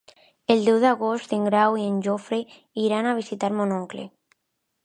El deu d'agost en Grau i en Jofre iran a visitar mon oncle.